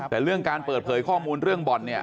แต่เรื่องการเปิดเผยข้อมูลเรื่องบ่อนเนี่ย